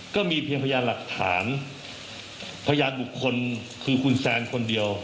ก็มีเพียงพยานหลักฐานพยานบุคคลคือคุณแซนคนเดียว